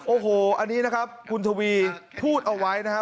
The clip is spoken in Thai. โอ้โหอันนี้นะครับคุณทวีพูดเอาไว้นะครับ